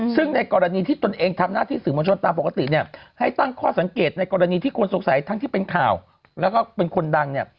ซึ่งในกรณีที่ตนเองทำหน้าที่สื่อมวลชนตามปกติเนี่ยให้ตั้งข้อสังเกตในกรณีที่คนสงสัยทั้งที่เป็นข่าวแล้วก็เป็นคนดังเนี่ย